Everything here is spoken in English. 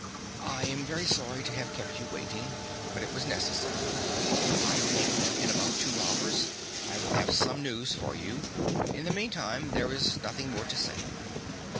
"I am very sorry to have kept you waiting, but it was necessary. I think that in about two hours I will have some news for you. In the meantime there is nothing more to say."